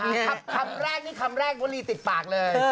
คำแรกนี่คำแรกวลีติดปากเลย